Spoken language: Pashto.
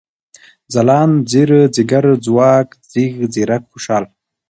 ځلاند ، ځير ، ځيگر ، ځواک ، ځيږ ، ځيرک ، خوشال